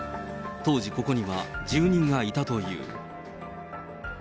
当時、ここには住人がいたという。